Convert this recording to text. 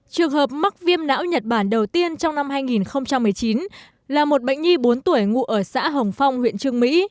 trường hợp mắc viêm não nhật bản đầu tiên trong năm hai nghìn một mươi chín là một bệnh nhi bốn tuổi ngụ ở xã hồng phong huyện trương mỹ